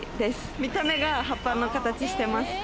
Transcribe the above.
見た目が葉っぱの形してます。